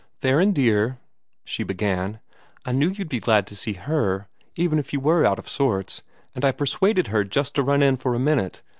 "Theron dear," Alice began, "I knew you'd be glad to see HER, even if you were out of sorts; and I persuaded her just to run in for a minute.